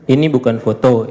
ini bukan foto